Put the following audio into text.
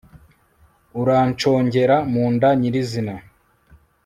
uranshongera mu nda nyirizina